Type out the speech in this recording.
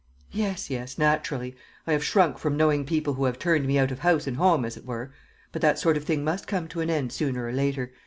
"Yes, yes, naturally. I have shrunk from knowing people who have turned me out of house and home, as it were. But that sort of thing must come to an end sooner or later.